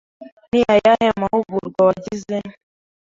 Ni ayahe mahugurwa wagize?